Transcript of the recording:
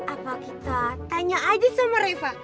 apa kita tanya aja sama reva